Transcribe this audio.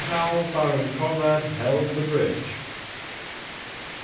How Baron Conrad Held the Bridge.